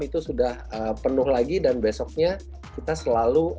itu sudah penuh lagi dan besoknya kita selalu